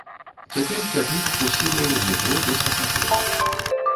Цяпер цягнік курсіруе ў метро без пасажыраў.